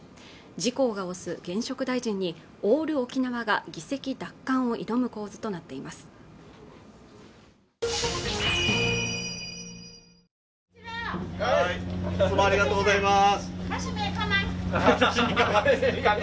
自公が推す現職大臣にオール沖縄が議席奪還を挑む構図となっています